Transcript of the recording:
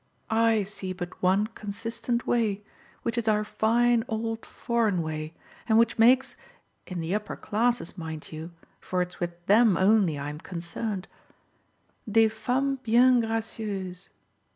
I see but one consistent way, which is our fine old foreign way and which makes in the upper classes, mind you, for it's with them only I'm concerned des femmes bien gracieuses.